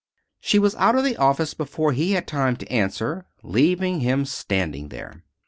She was out of the office before he had time to answer, leaving him standing there.